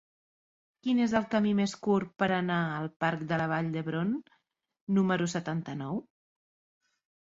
Quin és el camí més curt per anar al parc de la Vall d'Hebron número setanta-nou?